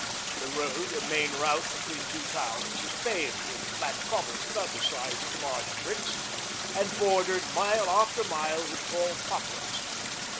The road, a main route between two towns, is paved with flat cobbles about the size of large bricks, and bordered mile after mile with tall poplars.